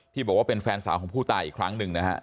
บอกว่าเป็นแฟนสาวของผู้ตายอีกครั้งหนึ่งนะฮะ